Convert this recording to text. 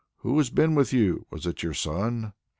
Who has been with you? Wasn't it your son?"